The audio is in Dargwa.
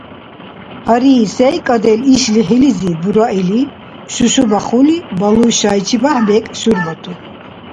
– Гьари, сейкӀадил, иш лихӀилизи бура или, – Шушу-Бахали балуй шайчи бекӀ шурбатур.